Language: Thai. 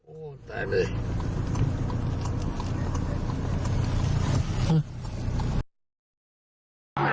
โอ้ตายเลย